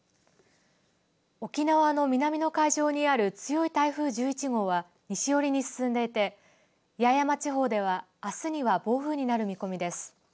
沖縄の南の海上にある強い台風１１号は西寄りに進んでいて八重山地方ではあすには暴風になる見込みです。